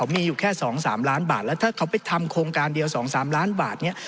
มีอยู่แค่๒๓ล้านบาทแล้วถ้าเขาไปทำโครงการเดียว๒๓ล้านบาทเนี่ย